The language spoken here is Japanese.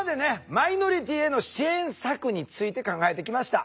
マイノリティーへの支援策について考えてきました。